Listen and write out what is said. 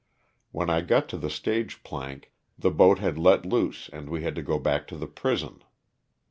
When I got to the stage plank the boat had let loose and we had to go back to the prison.